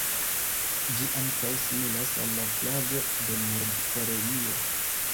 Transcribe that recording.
Ĝi ankaŭ similas al la flago de Nord-Koreio.